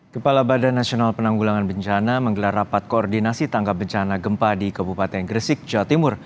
kepala badan nasional penanggulangan bencana menggelar rapat koordinasi tanggap bencana gempa di kabupaten gresik jawa timur